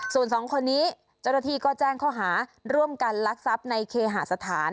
ส่วนสองคนนี้เจ้าหน้าที่ก็แจ้งข้อหาร่วมกันลักทรัพย์ในเคหาสถาน